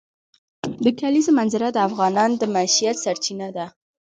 د کلیزو منظره د افغانانو د معیشت سرچینه ده.